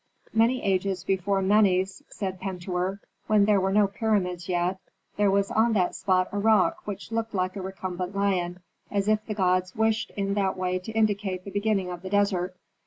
"Many ages before Menes," said Pentuer, "when there were no pyramids yet, there was on that spot a rock which looked like a recumbent lion, as if the gods wished in that way to indicate the beginning of the desert.